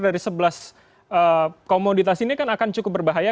dari sebelas komoditas ini kan akan cukup berbahaya